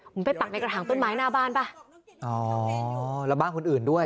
ผมไปปักในกระถางต้นไม้หน้าบ้านป่ะอ๋อแล้วบ้านคนอื่นด้วย